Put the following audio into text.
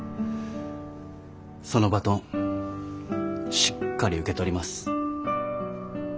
そのバトンしっかり受け取ります。